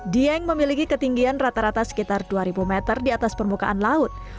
dieng memiliki ketinggian rata rata sekitar dua ribu meter di atas permukaan laut